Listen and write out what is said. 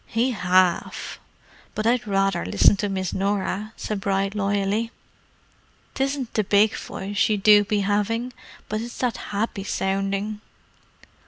"He have—but I'd rather listen to Miss Norah," said Bride loyally. "'Tisn't the big voice she do be having, but it's that happy sounding."